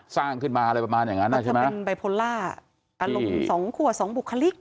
สร้างขึ้นมาอะไรประมาณอย่างนั้นใช่ไหมมันเป็นใบโพล่า